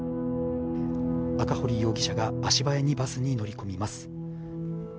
赤堀容疑者が足早にバスに乗り込みます。